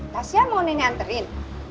tasya mau nenek anterin